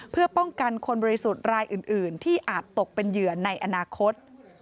เพื่อป้องกันคนบริสุทธิ์รายอื่นที่อาจตกเป็นเหยื่อในอนาคต